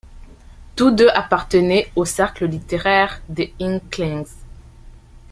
Tous deux appartenaient au cercle littéraire des Inklings.